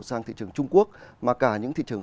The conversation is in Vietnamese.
sang thị trường trung quốc mà cả những thị trường